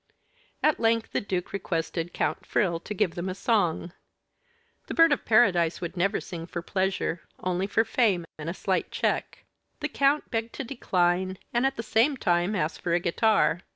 At length the duke requested Count Frill to give them a song. The Bird of Paradise would never sing for pleasure, only for fame and a slight check. The count begged to decline, and at the same time asked for a guitar.